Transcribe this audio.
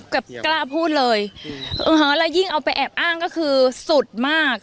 กล้าพูดเลยเออแล้วยิ่งเอาไปแอบอ้างก็คือสุดมาก